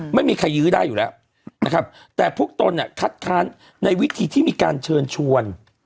ไม่มีใครยื้อได้อยู่แล้วนะครับแต่พวกตนเนี่ยคัดค้านในวิธีที่มีการเชิญชวน